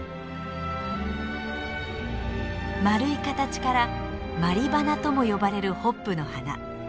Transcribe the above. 丸い形から「鞠花」とも呼ばれるホップの花。